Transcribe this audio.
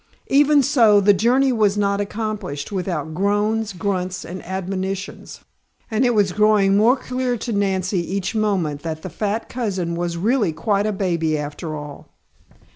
Even so, the journey was not accomplished without groans, grunts and admonitions, and it was growing more clear to Nancy each moment that the fat cousin was really quite a baby after all.